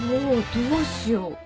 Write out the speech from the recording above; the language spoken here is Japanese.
どうしよう？